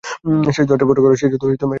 সে শুধু এটার পরোয়া করে।